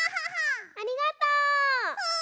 ありがとう！